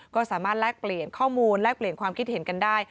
ก็สามารถแลกเปลี่ยนข้อมูลแลกเปลี่ยนความคิดเห็นกันได้